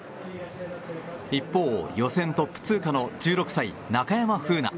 一方、予選トップ通過の１６歳、中山楓奈。